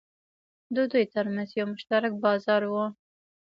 د دوی ترمنځ یو مشترک بازار و.